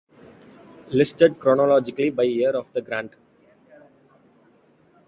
Listed chronologically by year of the grant.